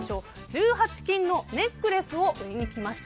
１８金のネックレスを売りに行きました。